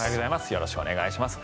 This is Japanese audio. よろしくお願いします。